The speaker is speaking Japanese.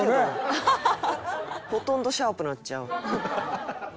「ほとんどシャープ鳴っちゃう」